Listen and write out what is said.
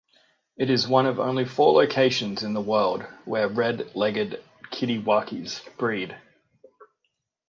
It is one of only four locations in the world where red-legged kittiwakes breed.